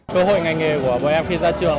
cơ hội ngành nghề của bọn em khi ra trường